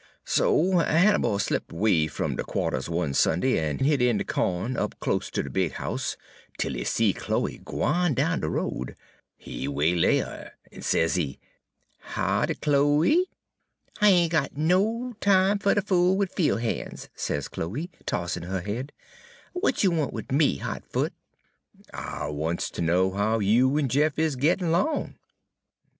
"So Hannibal slipped 'way fum de qua'ters one Sunday en hid in de co'n up close ter de big house, 'tel he see Chloe gwine down de road. He waylaid her, en sezee: "'Hoddy, Chloe?' "'I ain' got no time fer ter fool wid fiel' han's,' sez Chloe, tossin' her head; 'w'at you want wid me, Hot Foot?' "'I wants ter know how you en Jeff is gittin' 'long.'